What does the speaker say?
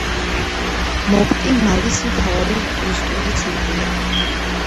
მოპტი მალის მთავარი ტურისტული ცენტრია.